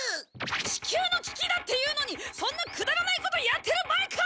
地球の危機だっていうのにそんなくだらないことやってる場合か！